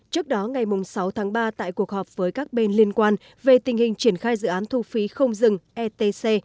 trước đó ngày sáu tháng ba tại cuộc họp với các bên liên quan về tình hình triển khai dự án thu phí không dừng etc